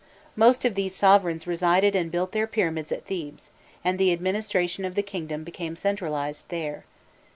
Most of these sovereigns resided and built their Pyramids at Thebes, and the administration of the kingdom became centralized there.